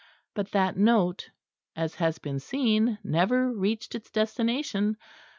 But that note, as has been seen, never reached its destination.